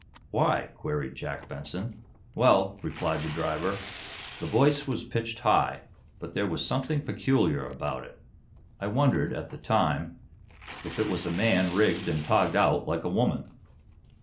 "Why?" queried Jack Benson. "Well," replied the driver, "the voice was pitched high, but there was something peculiar about it. I wondered, at the time, if it was a man rigged and togged out like a woman."